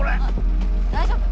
大丈夫？